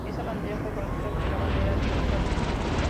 Esa bandera fue conocida como la Bandera de Calcuta.